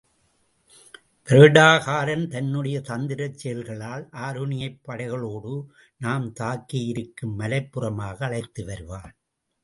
வருடகாரன் தன்னுடைய தந்திரச் செயல்களால் ஆருணியைப் படைகளோடு நாம் தங்கியிருக்கும் மலைப்புறமாக அழைத்து வருவான்.